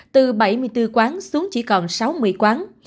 từ bảy mươi bốn quán xuống chỉ còn sáu mươi quán